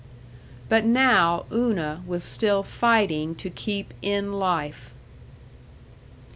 But now Una was still fighting to keep in life.